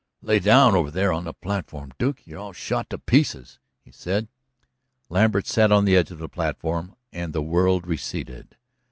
"Lay down over there on the platform, Duke, you're shot all to pieces," he said. Lambert sat on the edge of the platform, and the world receded.